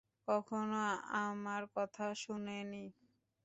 কখনো আমার কথা শোনেনি।